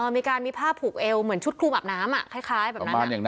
มีการมีผ้าผูกเอวเหมือนชุดครูบาน้ำคล้ายแบบนั้น